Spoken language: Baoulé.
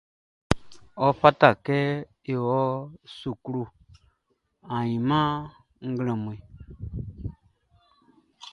Efata kɛ n wɔ suklu ainman nglɛmun.